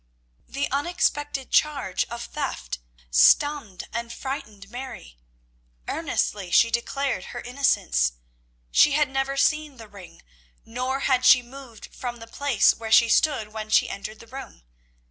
The unexpected charge of theft stunned and frightened Mary. Earnestly she declared her innocence. She had never seen the ring, nor had she moved from the place where she stood when she entered the room.